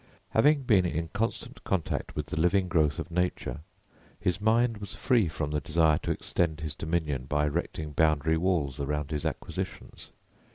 Having been in constant contact with the living growth of nature, his mind was free from the desire to extend his dominion by erecting boundary walls around his acquisitions.